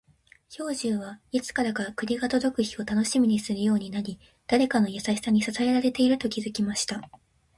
兵十は、いつからか栗が届く日を楽しみにするようになり、誰かの優しさに支えられていると気づきました。